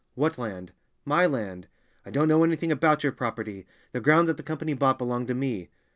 "What land?" "My land." "I don't know anything about your property; the ground that the Company bought belonged to me."